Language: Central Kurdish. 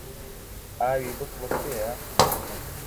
ئاوی بوتڵت پێیە؟